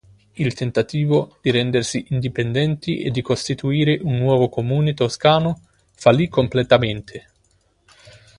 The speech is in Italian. Il tentativo di rendersi indipendenti e di costituire un nuovo comune toscano fallì completamente.